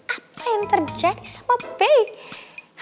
apa yang terjadi sama pay